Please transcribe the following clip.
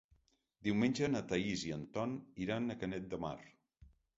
Diumenge na Thaís i en Ton iran a Canet de Mar.